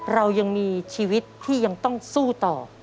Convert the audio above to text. เรายังมีชีวิตที่ยังต้องสู้ต่อ